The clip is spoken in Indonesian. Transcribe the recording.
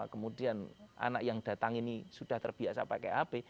kemudian anak yang datang ini sudah terbiasa pakai hp